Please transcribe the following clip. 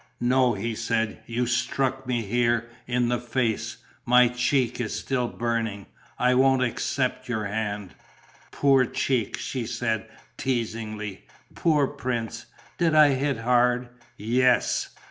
"No," he said, "you struck me here, in the face. My cheek is still burning. I won't accept your hand." "Poor cheek!" she said, teasingly. "Poor prince! Did I hit hard?" "Yes."